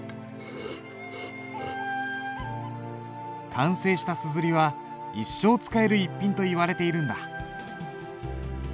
完成した硯は一生使える逸品といわれているんだ。